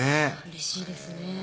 うれしいですね